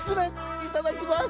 いただきます。